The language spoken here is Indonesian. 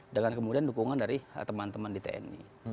dengan kemudian dukungan dari teman teman di tni